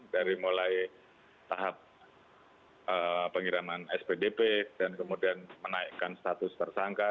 jadi mulai tahap pengiraman spdp dan kemudian menaikkan status tersangka